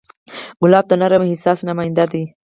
ګلاب د نرم احساس نماینده دی.